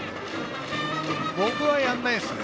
僕はやらないですね。